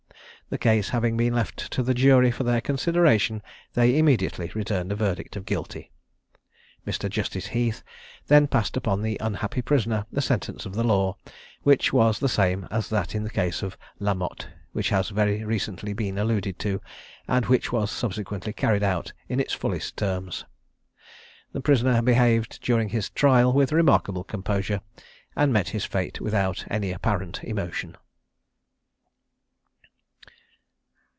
The case having been left to the jury for their consideration, they immediately returned a verdict of guilty. Mr. Justice Heath then passed upon the unhappy prisoner the sentence of the law, which was the same as that in the case of La Motte, which has very recently been alluded to, and which was subsequently carried out in its fullest terms. The prisoner behaved during his trial with remarkable composure, and met his fate without any apparent emotion.